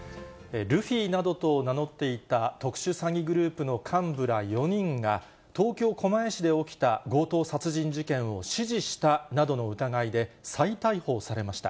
ルフィなどと名乗っていた特殊詐欺グループの幹部ら４人が、東京・狛江市で起きた強盗殺人事件を指示したなどの疑いで再逮捕されました。